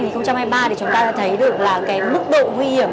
thì chúng ta đã thấy được là cái mức độ nguy hiểm